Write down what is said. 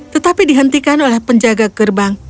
tetapi dihentikan oleh penjaga gerbang